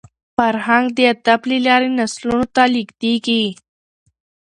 فرهنګ د ادب له لاري نسلونو ته لېږدېږي.